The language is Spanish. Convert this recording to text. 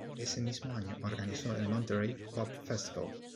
Ese mismo año organizó el Monterey Pop Festival.